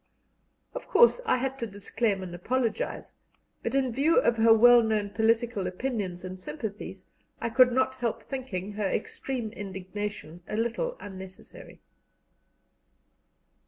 Of course I had to disclaim and apologize, but, in view of her well known political opinions and sympathies, I could not help thinking her extreme indignation a little unnecessary.